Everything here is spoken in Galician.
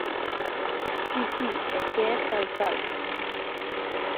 Si, si, é que é tal cal.